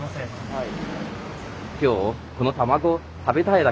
はい。